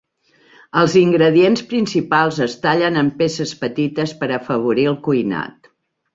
Els ingredients principals es tallen en peces petites per afavorir el cuinat.